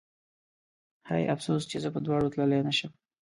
هی افسوس چې زه په دواړو تللی نه شم